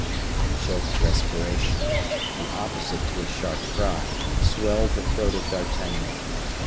A choked respiration, the opposite to a sharp cry, swelled the throat of D'Artagnan.